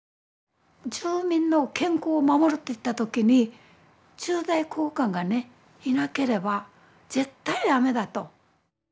住民の健康を守るっていった時に駐在公看がねいなければ絶対駄目だと。